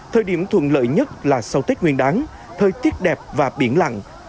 thời điểm thuận lợi nhất là sau tết nguyên đáng thời tiết đẹp và biển lặng